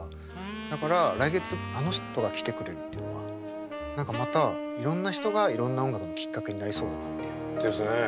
だから来月あの人が来てくれるっていうのは何かまたいろんな人がいろんな音楽のきっかけになりそうだなっていう。ですね。